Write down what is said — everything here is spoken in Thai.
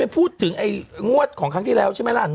ในพูดถึงไอ้งวดของครั้งที่แล้วใช่มั้ยล่ะ